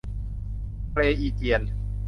ทะเลอีเจียน